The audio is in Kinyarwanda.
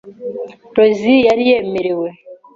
Rosie yari yemerewe